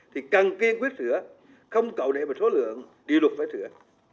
thì cần kiên quyết sửa không cầu nệm về số lượng điều luật phải sửa